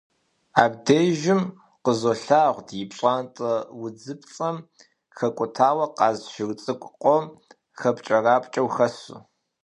Абдежым къызолъагъу ди пщӀантӀэ удзыпцӀэм хэкӀутауэ къаз шыр цӀыкӀу къом хьэпкӀэрапкӀэу хэсу.